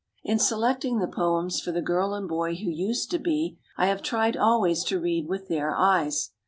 In selecting the poems for the girl and boy who used to be, I have tried always to read with their eyes.